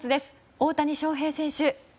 大谷翔平選手